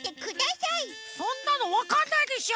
そんなのわかんないでしょ！